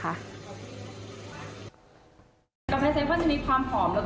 กาแฟเซเฟิล์จะมีความหอมแล้วก็เอกลักษณ์ของกาแฟจะชัดมาก